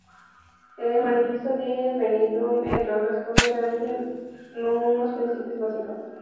El "Manifiesto de Benidorm", entre otras cosas, reclamaba unos principios básicos.